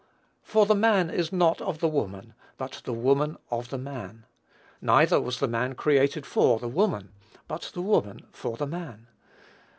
"For the man is not of the woman, but the woman of the man. Neither was the man created for the woman; but the woman for the man."